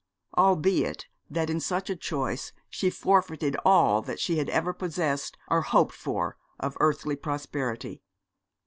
Albeit that in such a choice she forfeited all that she had ever possessed or hoped for of earthly prosperity.